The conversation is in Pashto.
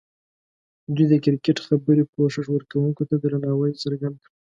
دوی د کرکټ خبري پوښښ ورکوونکو ته درناوی څرګند کړ.